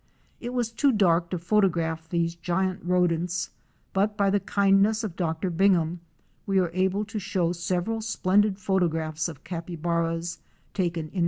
It was too dark to photograph these giant rodents, but by the kindness of Dr. Bingham we are able to show several splendid photo graphs of Capybaras, taken in their haunts.